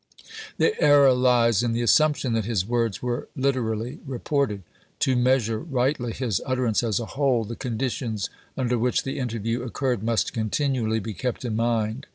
The error lies in the assumption that his words were literally reported. To measure rightly his utterance as a whole, the conditions under which the interview occurred must continually be kept in mind.